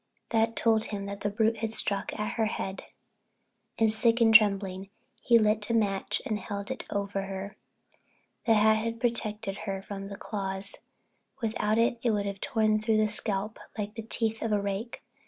That told him the brute had struck at her head, and sick and trembling, he lit a match and held it low over her. The hat had protected her from the claws; without it they would have torn through the scalp like the teeth of a rake.